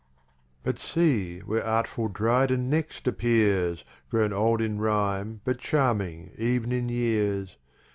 But see where artful Dryden next appears, Grown old in Rhime, but Charming ev'n in Years.